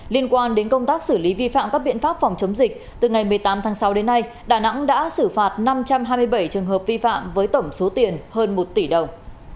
liên quan đến công tác xử lý vi phạm các biện pháp phòng chống dịch từ ngày một mươi tám tháng sáu đến nay đà nẵng đã xử phạt năm trăm hai mươi bảy trường hợp vi phạm với tổng số tiền hơn một tỷ đồng